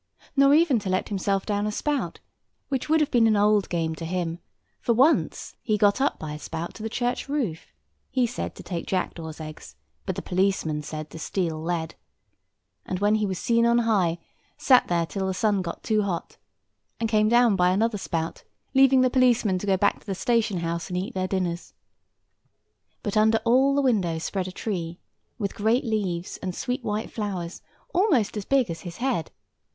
Nor even to let himself down a spout, which would have been an old game to him; for once he got up by a spout to the church roof, he said to take jackdaws' eggs, but the policeman said to steal lead; and, when he was seen on high, sat there till the sun got too hot, and came down by another spout, leaving the policemen to go back to the stationhouse and eat their dinners. But all under the window spread a tree, with great leaves and sweet white flowers, almost as big as his head.